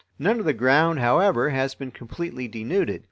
None of the ground, however, has been completely denuded.